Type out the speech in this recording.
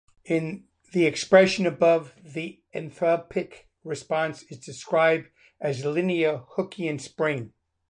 In the expression above, the enthalpic response is described as a linear Hookian spring.